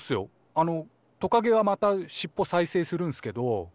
あのトカゲはまたしっぽ再生するんすけどうち